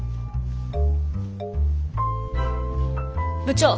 部長。